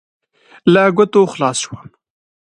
له ګوتو خلاص شوم.